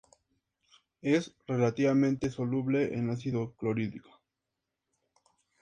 Es relativamente soluble en ácido clorhídrico.